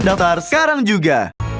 daftar sekarang juga